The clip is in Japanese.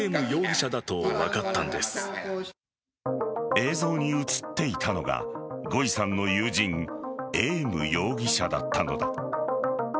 映像に映っていたのがゴイさんの友人エーム容疑者だったのだ。